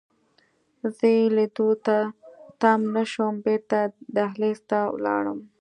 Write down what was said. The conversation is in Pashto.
زه یې لیدو ته تم نه شوم، بیرته دهلېز ته ولاړم.